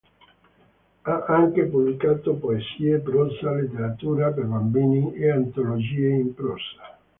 Ha anche pubblicato poesie, prosa, letteratura per bambini e antologie in prosa.